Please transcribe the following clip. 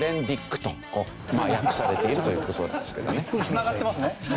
繋がってますね